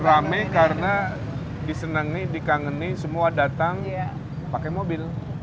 rame karena disenangi dikangeni semua datang pakai mobil